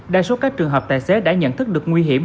đa số các trường hợp tài xế đã nhận thức được nguy hiểm